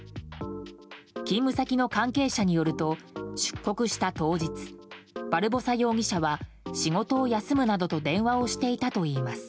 勤務先の関係者によると出国した当日バルボサ容疑者は仕事を休むなどと電話をしていたといいます。